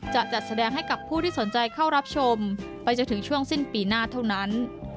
จะจัดแสดงให้กับผู้ที่สนใจเข้ารับชมไปจนถึงช่วงสิ้นปีหน้าเท่านั้น